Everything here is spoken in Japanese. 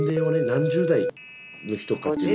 何十代の人かっていうの。